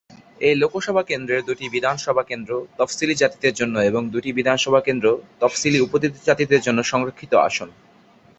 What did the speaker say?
এই লোকসভা কেন্দ্রের দুটি বিধানসভা কেন্দ্র তফসিলী জাতিদের জন্য এবং দুটি বিধানসভা কেন্দ্র তফসিলী উপজাতিদের জন্য সংরক্ষিত আসন।